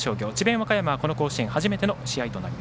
和歌山は甲子園初めての試合。